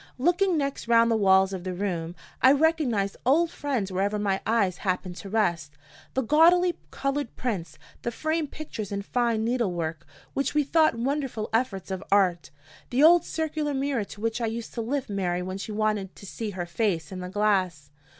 Looking next round the walls of the room, I recognized old friends wherever my eyes happened to rest the gaudily colored prints; the framed pictures in fine needle work, which we thought wonderful efforts of art; the old circular mirror to which I used to lift Mary when she wanted "to see her face in the glass."